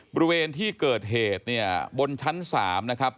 บริเวณที่เกิดเหตุเนี่ยบนชั้น๓นะครับ